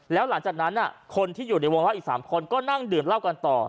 แล้วหลังจากนั้นคนที่อยู่ในวงเล่าอีก๓คนก็นั่งดื่มเหล้ากันต่อ